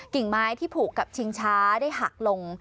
กิ่งไม้ที่ผูกกับชิงช้าได้หักลง